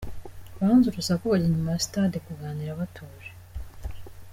Banze urusaku bajya inyuma ya stade kuganira batuje.